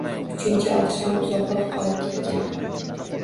Uchinchi oqshom uzoqroq qolib ketgan